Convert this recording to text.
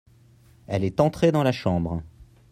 Elle est entrée dans la chambre.